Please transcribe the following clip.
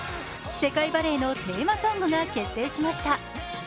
世界バレーのテーマソングが決定しました。